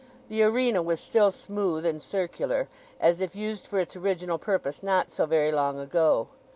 The arena was still smooth and circular, as if used for its original purpose not so very long ago.